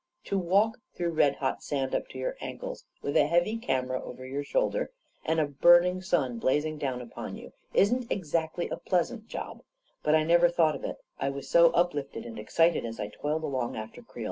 To walk through red hot sand up to your ankles, with a heavy camera over your shoulder, and a burning sun blazing down upon you, isn't exactly a x S 6 A KING IN BABYLON pleasant job; but I never thought of it, I was so uplifted and excited, as I toiled along after Creel.